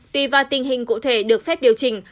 tùy vào tình hình cụ thể được phép điều chỉnh